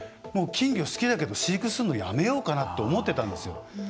金魚好きだけど飼育するのやめようかなって思ってたんですよ。